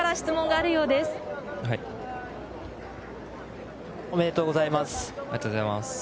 ありがとうございます。